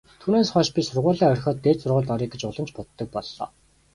Түүнээс хойш би сургуулиа орхиод дээд сургуульд оръё гэж улам ч боддог боллоо.